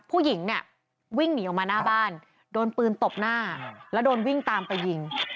ผู้หญิงเนี่ยวิ่งหนีออกมาหน้าบ้านโดนปืนตบหน้าแล้วโดนวิ่งตามไปยิง